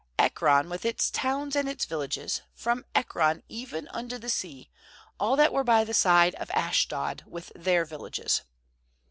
^Ekron, with its towns and its vil lages; 4efrom Ekron even unto the sea, all that were by the side of Ashdod, with their villages.